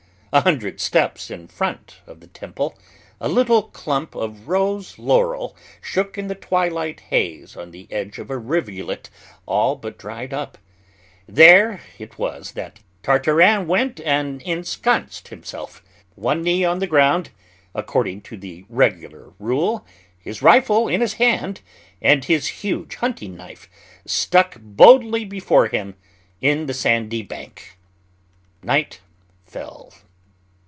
A hundred steps in front of the temple a little clump of rose laurel shook in the twilight haze on the edge of a rivulet all but dried up. There it was that Tartarin went and ensconced himself, one knee on the ground, according to the regular rule, his rifle in his hand, and his huge hunting knife stuck boldly before him in the sandy bank. Night fell.